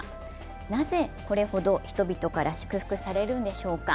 なぜこれほど人々から祝福されるんでしょうか。